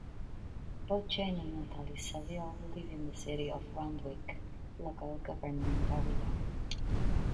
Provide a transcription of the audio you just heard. Both Jane and Natalie Saville live in the City of Randwick Local Government Area.